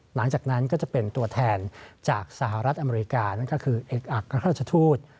หลังจากนั้นก็จะเป็นตัวแทนจากสหรัฐอเมริกานั่นก็คือเอกอักราชทูต